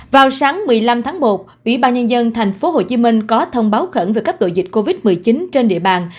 vào sáng một mươi năm tháng một ủy ban nhân dân tp hcm có thông báo khẩn về cấp độ dịch covid một mươi chín trên địa bàn